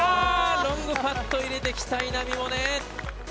ロングパット入れてきた、稲見萌寧。